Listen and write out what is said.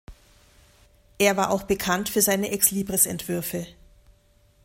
Er war auch bekannt für seine Exlibris-Entwürfe.